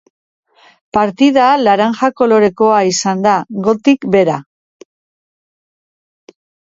Partida laranja kolorekoa izan da, gotik behera.